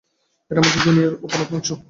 এটা আমাদের দুনিয়ার অপর অর্ধাংশ।